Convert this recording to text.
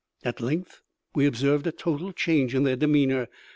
At length we observed a total change in their demeanour.